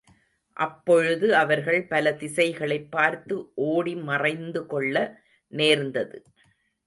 அப்பொழுது அவர்கள் பல திசைகளைப் பார்த்து ஒடிமறைந்துகொள்ள நேர்ந்தது.